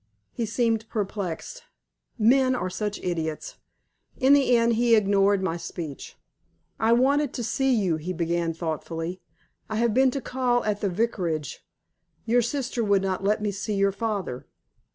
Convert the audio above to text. He seemed perplexed. Men are such idiots. In the end he ignored my speech. "I wanted to see you," he began, thoughtfully. "I have been to call at the Vicarage; your sister would not let me see your father."